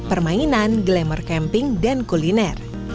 permainan glamour camping dan kuliner